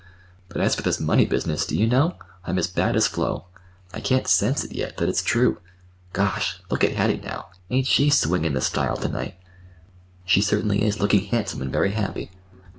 But, as for this money business, do you know? I'm as bad as Flo. I can't sense it yet—that it's true. Gosh! Look at Hattie, now. Ain't she swingin' the style to night?" "She certainly is looking handsome and very happy."